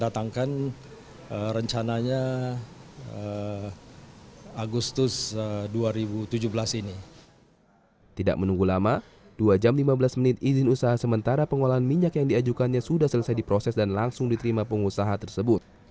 tidak menunggu lama dua jam lima belas menit izin usaha sementara pengolahan minyak yang diajukannya sudah selesai diproses dan langsung diterima pengusaha tersebut